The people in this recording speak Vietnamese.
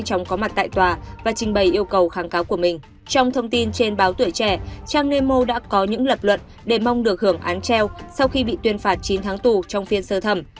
trong thông tin trên báo tuổi trẻ trang nemo đã có những lập luận để mong được hưởng án treo sau khi bị tuyên phạt chín tháng tù trong phiên sơ thẩm